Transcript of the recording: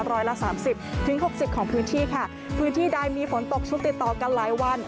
ร้อยละสามสิบถึงหกสิบของพื้นที่ค่ะพื้นที่ใดมีฝนตกชุกติดต่อกันหลายวัน